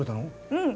うん。